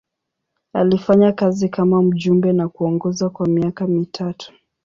Alifanya kazi kama mjumbe na kuongoza kwa miaka mitatu.